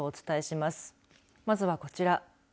まずはこちら。